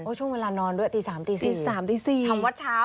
โอ้โฮช่วงเวลานอนด้วยตี๓๔ทำวัดเช้า